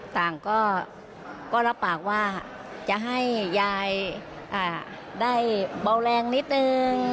ต่างก็รับปากว่าจะให้ยายได้เบาแรงนิดนึง